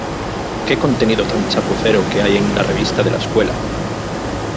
¡Qué contenido tan chapucero que hay en la revista de la escuela!